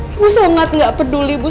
ibu sangat gak peduli ibu